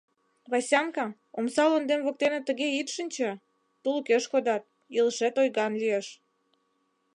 Васянка, омса лондем воктене тыге ит шинче — тулыкеш кодат, илышет ойган лиеш».